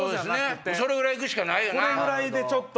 それぐらい行くしかないよな。